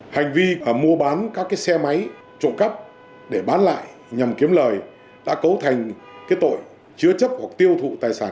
hành vi mua bán các xe máy trộm cắp để bán lại nhằm kiếm lời đã cấu thành tội chứa chấp hoặc tiêu thụ tài sản